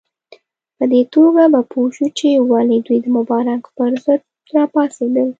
په دې توګه به پوه شو چې ولې دوی د مبارک پر ضد راپاڅېدل.